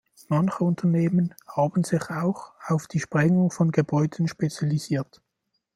Manche Unternehmen haben sich auch auf die Sprengung von Gebäuden spezialisiert.